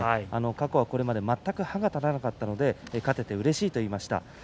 過去は、これまで全く歯が立たなかったので勝ててうれしいと。